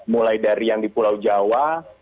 mulai dari yang di pulau jawa